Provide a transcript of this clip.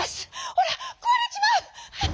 おらくわれちまう」。